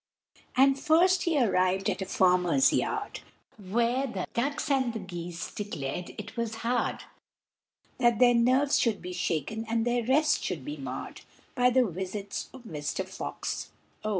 And first he arrived at a farmer's yard, Where the ducks and the geese declared it was hard, That their nerves should be shaken and their rest should be marred By the visits of Mister Fox o!